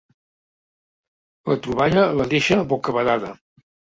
La troballa la deixa bocabadada.